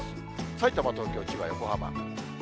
さいたま、東京、千葉、横浜。